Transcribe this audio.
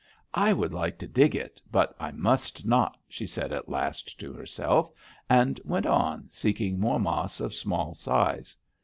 "'I would like to dig it, but I must not,' she at last said to herself, and went on, seeking more mas of small size.